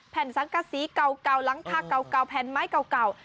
แผ่นสังกะสีเก่ารังผ้าเก่าแผ่นไม้เก่า